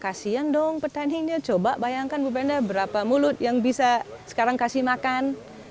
kasian dong petaninya coba bayangkan bu penda berapa mulut yang bisa sekarang kasih makan